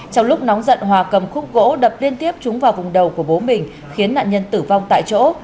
trong lúc nóng giận hòa cầm khúc gỗ đập liên tiếp trúng vào vùng đầu của bố mình khiến nạn nhân tử vong tại chỗ